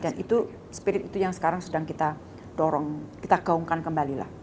dan itu spirit itu yang sekarang sudah kita dorong kita gaungkan kembali lah